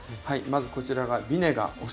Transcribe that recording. はいまずこちらがビネガー。